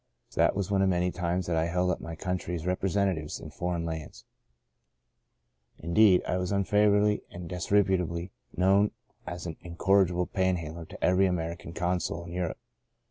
That was one of many times that I held up my country's representatives in foreign lands. Indeed, I was unfavourably and disreputably known as an incorrigible panhandler to every American consul in Europe.